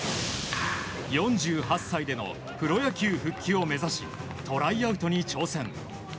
４８歳でのプロ野球復帰を目指しトライアウトに挑戦。